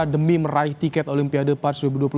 demi meraih tiket olimpiade parts dua ribu dua puluh